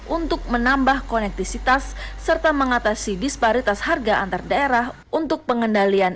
untuk menambah konektivitas serta mengatasi disparitas harga antar daerah untuk pengendalian